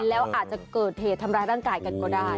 แล้วอาจจะเกิดเหตุทำร้ายร่างกายกันก็ได้